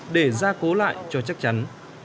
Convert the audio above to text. để ra cố lại cho chắc chắn